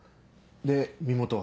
で身元は？